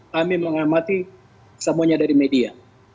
kami mengamati semuanya dari media